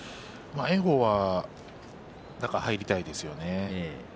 炎鵬はやっぱり中に入りたいですよね。